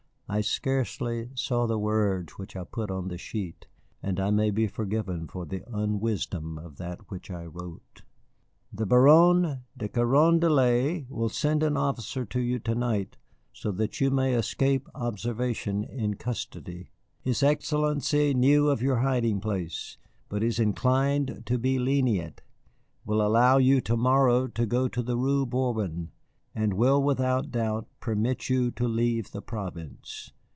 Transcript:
I scarcely saw the words which I put on the sheet, and I may be forgiven for the unwisdom of that which I wrote. "The Baron de Carondelet will send an officer for you to night so that you may escape observation in custody. His Excellency knew of your hiding place, but is inclined to be lenient, will allow you to morrow to go to the Rue Bourbon, and will without doubt permit you to leave the province.